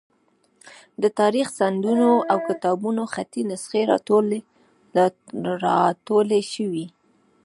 د تاریخي سندونو او کتابونو خطي نسخې راټولې شوې.